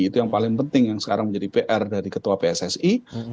itu yang paling penting yang sekarang menjadi pr dari ketua pssi